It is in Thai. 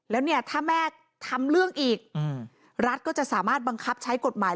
แล้วเนี่ยถ้าแม่ทำเรื่องอีกรัฐก็จะสามารถบังคับใช้กฎหมาย